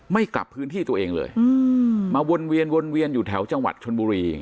กลับพื้นที่ตัวเองเลยมาวนเวียนวนเวียนอยู่แถวจังหวัดชนบุรี